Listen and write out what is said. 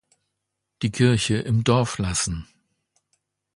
Die Kirche im Dorf lassen.